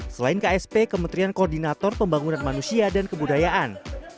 selain ksp kementerian koordinator pembangunan manusia dan kebudayaan